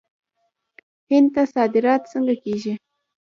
هند ته صادرات څنګه کیږي؟